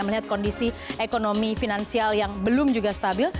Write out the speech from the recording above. melihat kondisi ekonomi finansial yang belum juga stabil